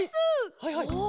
はいはいはい。